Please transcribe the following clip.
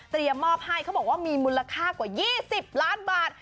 มอบให้เขาบอกว่ามีมูลค่ากว่า๒๐ล้านบาท